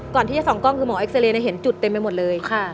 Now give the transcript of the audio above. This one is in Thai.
ก่อนที่จะส่องกล้องคือหมอเอ็กซีเรย์เนี่ยเห็นจุดเต็มไปหมดเลยค่ะ